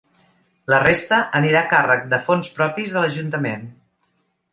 La resta anirà a càrrec de fons propis de l’ajuntament.